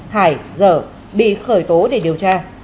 hải giở bị khởi tố để điều tra